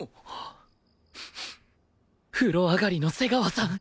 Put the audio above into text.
風呂上がりの瀬川さん